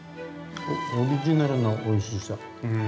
◆オリジナルのおいしさ。